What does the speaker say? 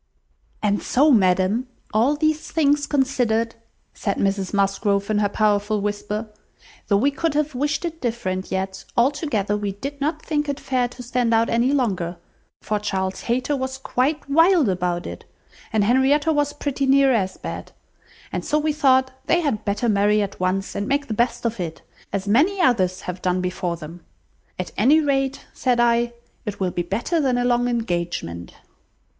"And so, ma'am, all these thing considered," said Mrs Musgrove, in her powerful whisper, "though we could have wished it different, yet, altogether, we did not think it fair to stand out any longer, for Charles Hayter was quite wild about it, and Henrietta was pretty near as bad; and so we thought they had better marry at once, and make the best of it, as many others have done before them. At any rate, said I, it will be better than a long engagement."